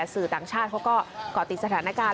สื่อต่างชาติเขาก็ก่อติดสถานการณ์